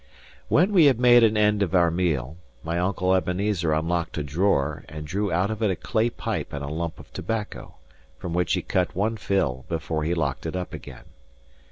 When we had made an end of our meal, my uncle Ebenezer unlocked a drawer, and drew out of it a clay pipe and a lump of tobacco, from which he cut one fill before he locked it up again.